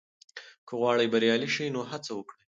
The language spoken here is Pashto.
که غواړې بریالی شې، نو هڅه وکړه.